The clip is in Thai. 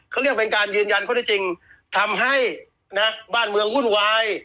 เขาเรียกเป็นการยืนยันข้อได้จริงทำให้นะบ้านเมืองวุ่นวาย